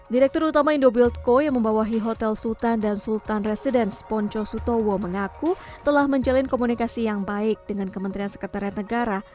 direktur utama indobuildco yang membawahi hotel sultan dan sultan residence ponco sutowo mengaku telah menjalin komunikasi yang baik dengan kementerian sekretariat negara